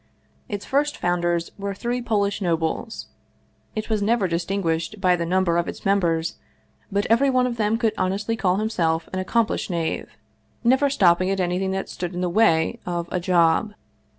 Its first founders were three Polish nobles. It was never distinguished by the number of its members, but everyone of them could honestly call himself an ac complished knave, never stopping at anything that stood in the way of a " job."